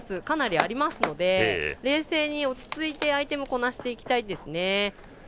かなりありますので冷静に落ち着いてアイテム、こなしていきたいです。